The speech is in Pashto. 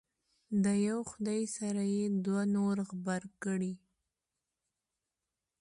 د یو خدای سره یې دوه نور غبرګ کړي.